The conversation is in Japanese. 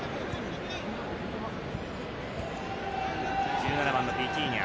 １７番のビティーニャ。